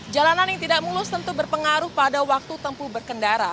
jalanan yang tidak mulus tentu berpengaruh pada waktu tempuh berkendara